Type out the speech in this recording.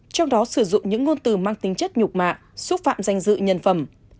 trong đó sử dụng những ngôn từ mang tính chất nhục mạ xúc phạm danh dự nhân phẩm